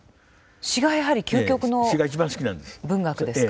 詩がやはり究極の文学ですか。